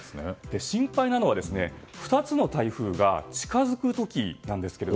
心配なのは２つの台風が近づく時なんです。